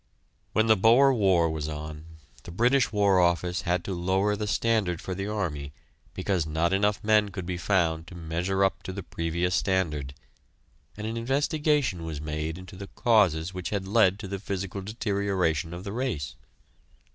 When the Boer War was on, the British War Office had to lower the standard for the army because not enough men could be found to measure up to the previous standard, and an investigation was made into the causes which had led to the physical deterioration of the race.